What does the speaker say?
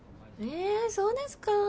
えそうですか？